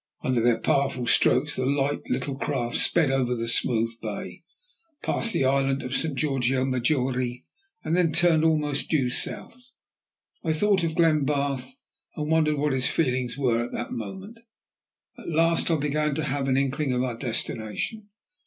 Under their powerful strokes the light little craft sped over the smooth bay, passed the island of St. Georgio Maggiore, and then turned almost due south. Then I thought of Glenbarth, and wondered what his feelings were at that moment. At last I began to have an inkling of our destination.